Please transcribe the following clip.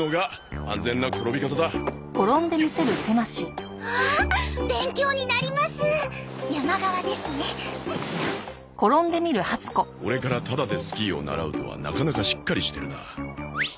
アンタオレからタダでスキーを習うとはなかなかしっかりしてるな。え？